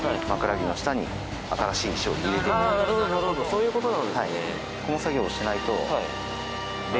そういう事なんですね。